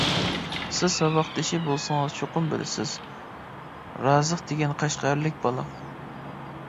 سىز ساۋاقدىشى بولسىڭىز چوقۇم بىلىسىز، رازىق دېگەن قەشقەرلىك بالا.